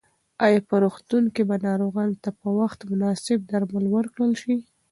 ایا په روغتون کې به ناروغانو ته په وخت مناسب درمل ورکړل شي؟